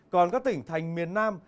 còn các tỉnh thành miền nam